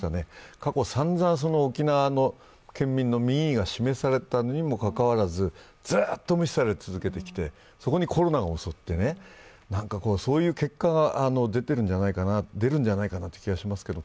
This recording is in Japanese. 過去さんざん沖縄県民の民意が示されたにもかかわらず、ずっと無視され続けてきて、そこにコロナが襲って、そういう結果が出るんじゃないかなという気がしますけど。